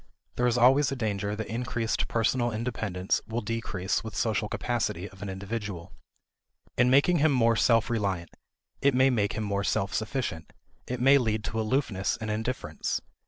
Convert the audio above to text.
There is always a danger that increased personal independence will decrease the social capacity of an individual. In making him more self reliant, it may make him more self sufficient; it may lead to aloofness and indifference.